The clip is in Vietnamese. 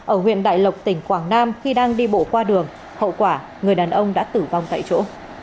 ở huyện đại lộc tỉnh quảng nam khi đang đi bộ qua đường hậu quả người đàn ông đã tử vong tại chỗ